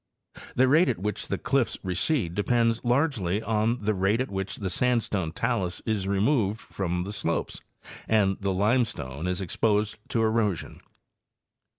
The rate at which the cliffs recede depends largely on the rate at which the sandstone talus is removed from the slopes and the limestone is exposed to erosion.